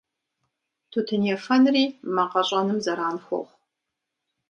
Тутын ефэнри мэ къэщӀэным зэран хуохъу.